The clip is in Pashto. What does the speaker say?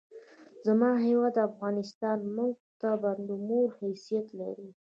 زما هېواد افغانستان مونږ ته د مور حیثیت لري!